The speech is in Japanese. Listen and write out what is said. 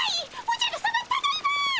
おじゃるさまただいま！